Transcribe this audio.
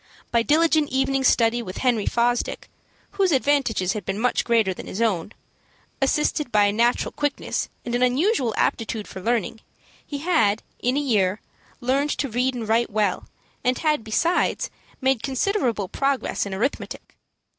By diligent evening study with Henry Fosdick, whose advantages had been much greater than his own, assisted by a natural quickness and an unusual aptitude for learning, he had, in a year, learned to read and write well, and had, besides, made considerable progress in arithmetic.